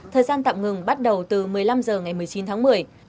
thời gian tạm ngừng bắt đầu từ một mươi năm h ngày một mươi chín tháng một mươi